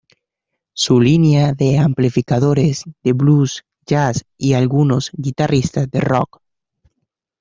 Su línea de amplificadores de blues, jazz, y algunos guitarristas de rock.